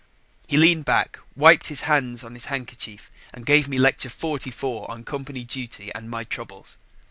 He leaned back, wiped his hands on his handkerchief and gave me Lecture Forty four on Company Duty and My Troubles.